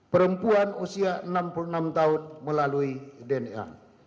perempuan usia enam puluh enam tahun melalui dna